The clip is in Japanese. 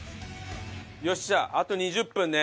よっしゃあと２０分ね。